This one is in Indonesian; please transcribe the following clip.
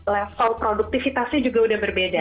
level produktivitasnya juga udah berbeda